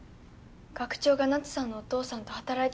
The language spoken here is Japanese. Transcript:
学長がナツさんのお父さんと働いてたなんて。